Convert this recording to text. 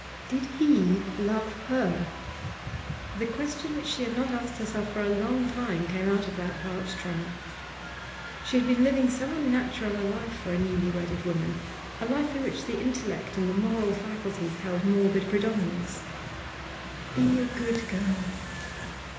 Did he love her? The question which she had not asked herself for a long time came of that heart tremor. She had been living so unnatural a life for a newly wedded woman, a life in which the intellect and the moral faculties held morbid predominance. 'Be a good girl.